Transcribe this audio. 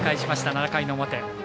７回の表。